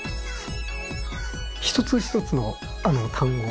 一つ一つの単語